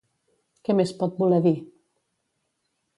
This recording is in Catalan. Què més pot voler dir?